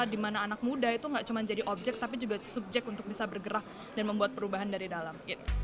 dimana anak muda itu nggak cuma jadi objek tapi juga subjek untuk bisa bergerak dan membuat perubahan dari dalam